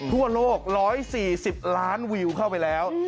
ทั่วโลก๑๔๐ล้านวิวเข้าไปแล้ว